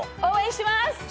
応援します！